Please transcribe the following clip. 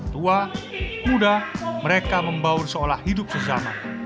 tua muda mereka membaur seolah hidup sesama